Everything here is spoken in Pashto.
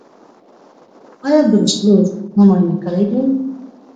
ایا بروسلوز مو معاینه کړی دی؟